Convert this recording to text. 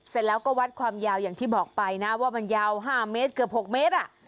เสร็จแล้วก็วัดความยาวอย่างที่บอกไปนะว่ามันยาว๕เมตรเกือบ๖เมตร